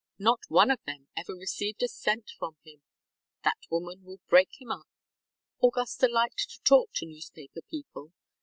Not one of them ever received a cent from him. That woman will break him up. ŌĆØ Augusta liked to talk to newspaper people.